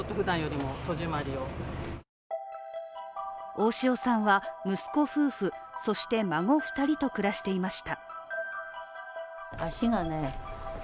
大塩さんは息子夫婦、そして孫２人と暮らしていました。